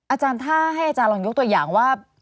อาจารย์ถ้าให้อาจารย์ลองยกตัวอย่างว่า